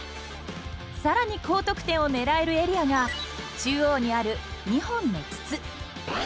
更に高得点を狙えるエリアが中央にある２本の筒。